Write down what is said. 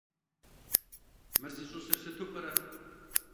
Мыр зищӀысыр сыту пӀэрэ?